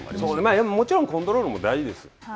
もちろんコントロールも大事です。